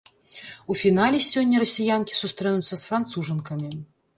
У фінале сёння расіянкі сустрэнуцца з францужанкамі.